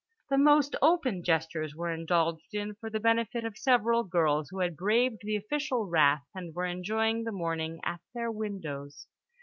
The most open gestures were indulged in for the benefit of several girls who had braved the official wrath and were enjoying the morning at their windows.